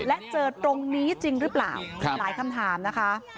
และเจอตรงนี้จริงหรือเปล่าหลายคำถามนะคะ